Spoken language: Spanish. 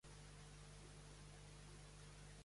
Cuando dice, ""Oh, Charles, what a lot you have to learn!